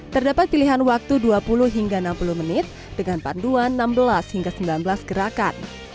terdapat pilihan waktu dua puluh hingga enam puluh menit dengan panduan enam belas hingga sembilan belas gerakan